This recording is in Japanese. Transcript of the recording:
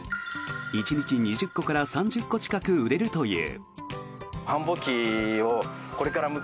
１日２０個から３０個近く売れるという。